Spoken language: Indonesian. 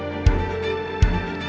jangan lupa untuk mencoba